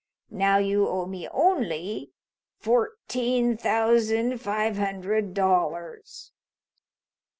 Now you owe me only fourteen thousand five hundred dollars."